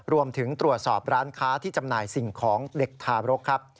รวมถึงตรวจสอบร้านค้าที่จำหน่ายสิ่งของเด็กทารกครับ